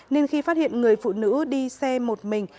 nên khi phát hiện người phụ nữ đi xe một mình